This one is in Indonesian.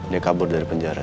dia kabur dari penjara